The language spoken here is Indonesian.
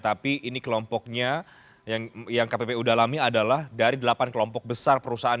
tapi ini kelompoknya yang kppu dalami adalah dari delapan kelompok besar perusahaan